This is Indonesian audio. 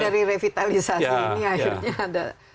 dari revitalisasi ini akhirnya ada